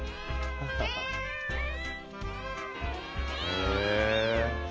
へえ。